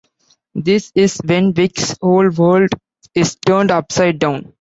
This is when Vix's whole world is turned upside down.